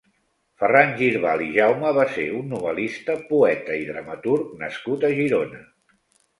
Ferran Girbal i Jaume va ser un novel·lista, poeta i dramaturg nascut a Girona.